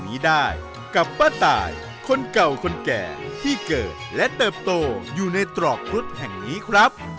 เราไปฟังตำนานสารพระยาครุฑิ์แห่งนี้กันบ้าง